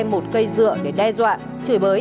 một cây dựa để đe dọa chửi bới